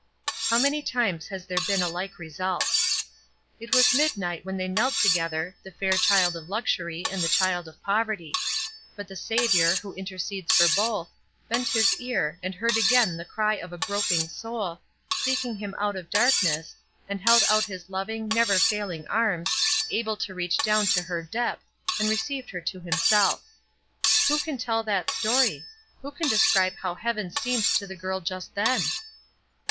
How many times has there been a like result. It was midnight when they knelt together, the fair child of luxury and the child of poverty; but the Saviour, who intercedes for both, bent His ear, and heard again the cry of a groping soul, seeking Him out of darkness, and held out His loving, never failing arms, able to reach down to her depth, and received her to himself. Who can tell that story? Who can describe how heaven seemed to the girl just then?